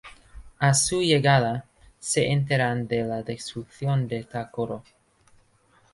A su llegada, se enteran de la destrucción de Ta-Koro.